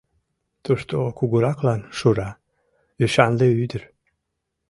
Тушто кугураклан Шура, ӱшанле ӱдыр.